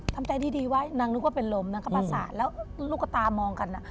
ทำใจดีไว้นางนึกว่าเป็นลมนางก็ประสาน